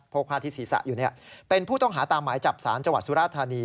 กผ้าที่ศีรษะอยู่เป็นผู้ต้องหาตามหมายจับสารจังหวัดสุราธานี